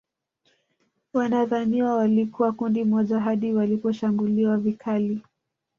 Wanadhaniwa walikuwa kundi moja hadi waliposhambuliwa vikali